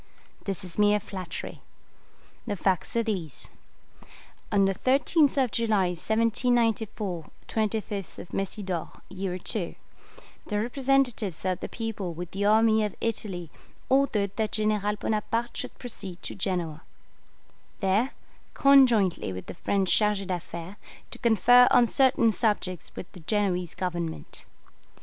This is mere flattery. The facts are these: On the 13th of July 1794 (25th Messidor, year II), the representatives of the people with the army of Italy ordered that General Bonaparte should proceed to Genoa, there, conjointly with the French 'chargé d'affaires', to confer on certain subjects with the Genoese Government.